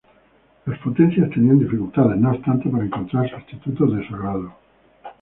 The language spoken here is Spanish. Las potencias tenían dificultades, no obstante, para encontrar sustitutos de su agrado.